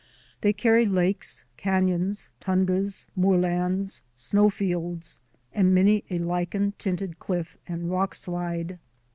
They carry lakes, canons, tundras, moorlands, snowfields, and many a lichen tinted cliff and rock slide.